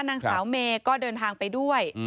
นางสาวเมย์ก็เดินทางไปด้วย